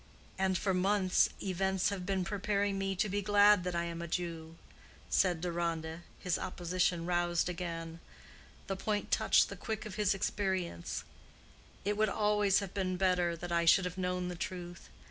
"And for months events have been preparing me to be glad that I am a Jew," said Deronda, his opposition roused again. The point touched the quick of his experience. "It would always have been better that I should have known the truth.